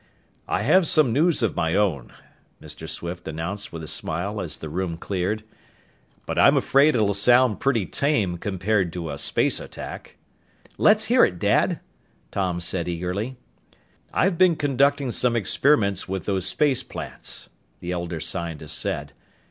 "I have some news of my own," Mr. Swift announced with a smile as the room cleared. "But I'm afraid it'll sound pretty tame compared to a space attack." "Let's hear it, Dad," Tom said eagerly. "I've been conducting some experiments with those space plants," the elder scientist said.